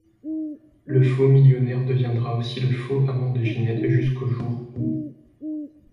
Le faux millionnaire deviendra aussi le faux amant de Ginette jusqu'au jour où...